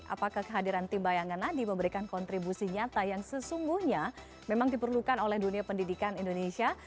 apakah kehadiran tim bayangan nadi memberikan kontribusi nyata yang sesungguhnya memang diperlukan oleh dunia pendidikan indonesia